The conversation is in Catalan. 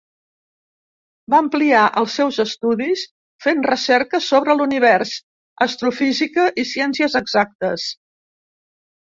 Va ampliar els seus estudis fent recerques sobre l'univers, astrofísica i ciències exactes.